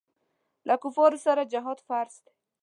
له کفارو سره جهاد فرض دی.